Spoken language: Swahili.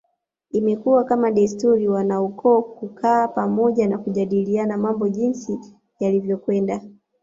Imekuwa kama desturi wanaukoo kukaa pamoja na kujadiliana mambo jinsi yalivyokwenda